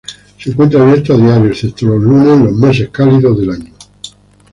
Se encuentra abierto a diario, excepto los lunes, en los meses cálidos del año.